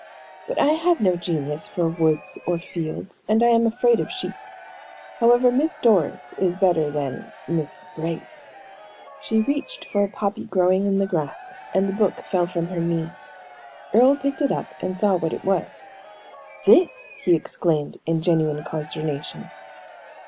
"But I have no genius for woods or fields, and I am afraid of sheep. However, Miss Doris is better than Miss Brace." She reached for a poppy growing in the grass, and the book fell from her knee. Earle picked it up, and saw what it was. "This!" he exclaimed, in genuine consternation.